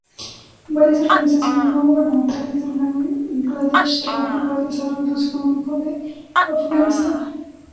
Varias organizaciones no gubernamentales de Bangladesh trabajan para el desarrollo socioeconómico de Afganistán.